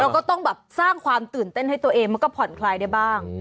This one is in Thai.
ก็ต้องแบบสร้างความตื่นเต้นให้ตัวเองมันก็ผ่อนคลายได้บ้าง